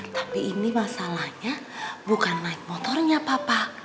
tapi isi masalah ya bukan naik motor ya papa